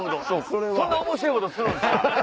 そんな面白いことするんですか？